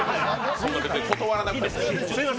そんな別に断らなくてもいい。